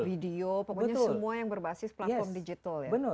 video pokoknya semua yang berbasis platform digital ya